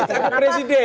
ini ini aku presiden